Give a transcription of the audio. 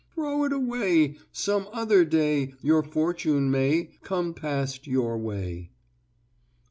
Throw it away; Some other day Your fortune may Come past your way."